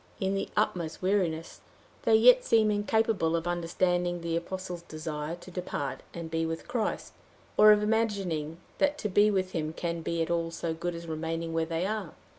In the utmost weariness, they yet seem incapable of understanding the apostle's desire to depart and be with Christ, or of imagining that to be with him can be at all so good as remaining where they are.